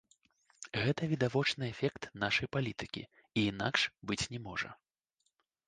Гэта відавочны эфект нашай палітыкі, і інакш быць не можа.